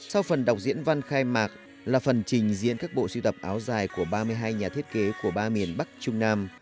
sau phần đọc diễn văn khai mạc là phần trình diễn các bộ sưu tập áo dài của ba mươi hai nhà thiết kế của ba miền bắc trung nam